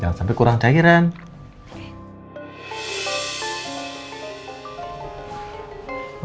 jangan sampai kurang daerah ren